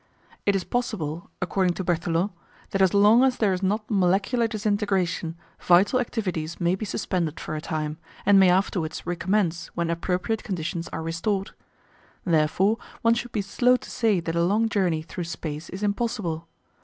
It is possible, according to Berthelot, that as long as there is not molecular disintegration vital activities may be suspended for a time, and may afterwards recommence when appropriate conditions are restored. Therefore, one should be slow to say that a long journey through space is impossible.